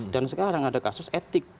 dan sekarang ada kasus etik